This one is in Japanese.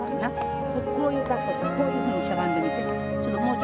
こういう格好してこういうふうにしゃがんでみて。